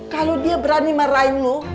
kalau dia berani meraih lo